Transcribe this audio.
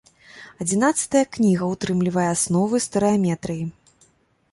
Адзінаццатая кніга ўтрымлівае асновы стэрэаметрыі.